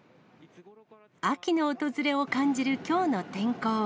秋の訪れを感じるきょうの天候。